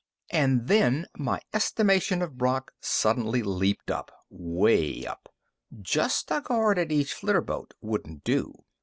And then my estimation of Brock suddenly leaped up way up. Just a guard at each flitterboat wouldn't do.